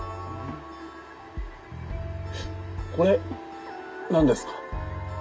「これ何ですか？」。